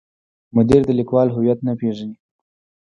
مدیر د لیکوال هویت نه پیژني.